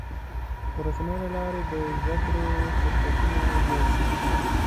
د رسنیو له لارې د زدهکړې فرصتونه زیات شوي دي.